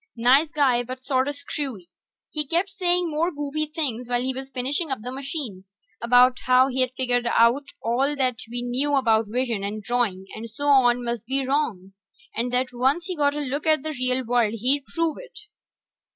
Nice guy, but sorta screwy. He kept saying more goofy things while he was finishing up the machine, about how he'd figured out that all we knew about vision and drawing and so on must be wrong, and that once he got a look at the real world he'd prove it.